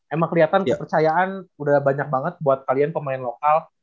emang kelihatan kepercayaan udah banyak banget buat kalian pemain lokal